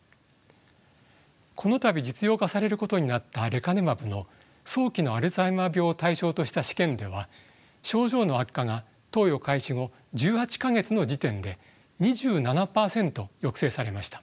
この度実用化されることになったレカネマブの早期のアルツハイマー病を対象とした試験では症状の悪化が投与開始後１８か月の時点で２７％抑制されました。